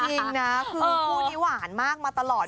จริงนะคือคู่นี้หวานมากมาตลอด